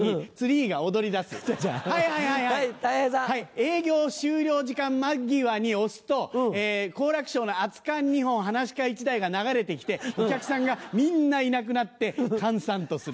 営業終了時間間際に押すと好楽師匠の『熱燗二本噺家一代』が流れて来てお客さんがみんないなくなって閑散とする。